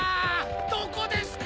どこですか？